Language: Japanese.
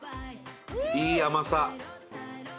いい甘さ！